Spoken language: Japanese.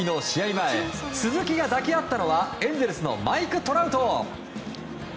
前鈴木が抱き合ったのはエンゼルスのマイク・トラウト。